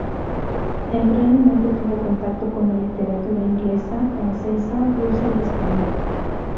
Tempranamente tuvo contacto con la literatura inglesa, francesa, rusa y española.